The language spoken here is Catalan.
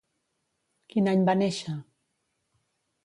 Quin any va néixer?